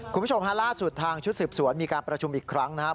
คุณผู้ชมฮะล่าสุดทางชุดสืบสวนมีการประชุมอีกครั้งนะครับ